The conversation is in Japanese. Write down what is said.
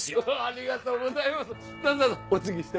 ありがとうございます！